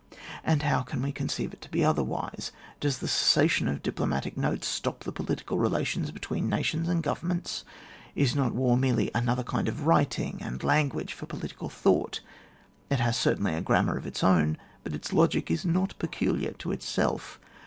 And how can we conceive it to be otherwise ? Does the cessation of diplo matic notes stop the political relations between different nations and Govern ments ? Is not war merely another kind of writing and language for political thoughts ? It has cert^nly a grammar of its own, but its log^c is not peculiar to itself.